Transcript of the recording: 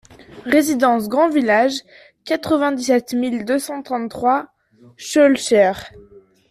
Résidence Grand Village, quatre-vingt-dix-sept mille deux cent trente-trois Schœlcher